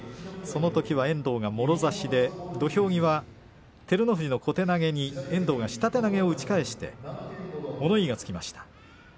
そのときは遠藤がもろ差しで土俵際照ノ富士の小手投げに遠藤が下手投げを打ち返して物言いがつきました。